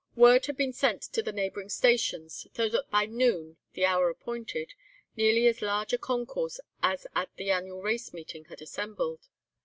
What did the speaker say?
"Word had been sent to the neighbouring stations, so that by noon—the hour appointed—nearly as large a concourse as at the annual race meeting had assembled.